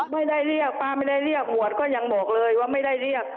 ไม่ได้เรียกป้าไม่ได้เรียกหมวดก็ยังบอกเลยว่าไม่ได้เรียก